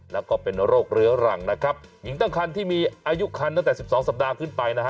แล้วก็เป็นโรคเรื้อรังนะครับยิ่งตั้งครรภ์ที่มีอายุครรภ์ตั้งแต่๑๒สัปดาห์ขึ้นไปนะฮะ